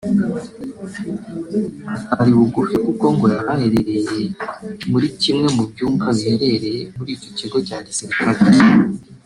atari bugufi kuko ngo yari muri kimwe mu byumba biherereye muri icyo kigo cya gisirikare